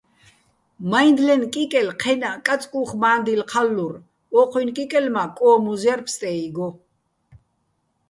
მაჲნდლენ კიკელ ჴენაჸ, კაწკუ́ხ მა́ნდილ ჴალლურ, ო́ჴუჲნ კიკელ მა́ კო́მუზ ჲარ ფსტე́იგო.